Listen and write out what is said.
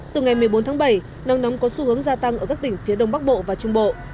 từ ngày một mươi bốn tháng bảy nắng nóng có xu hướng gia tăng ở các tỉnh phía đông bắc bộ và trung bộ